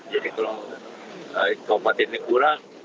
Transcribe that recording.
jadi kalau kompetitif kurang